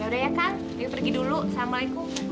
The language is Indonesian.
ya udah ya kang dewi pergi dulu assalamualaikum